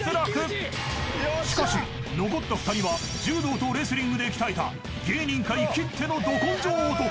［しかし残った２人は柔道とレスリングで鍛えた芸人界きってのど根性男！］